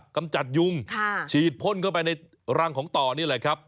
กำจัดยุงฉีดพ่นเข้าไปในรังของต่อนี่แหละครับ